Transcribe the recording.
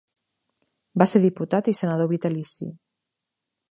Va ser diputat i senador vitalici.